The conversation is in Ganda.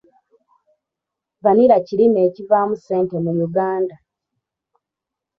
Vanilla kirime ekivaamu ssente mu Uganda.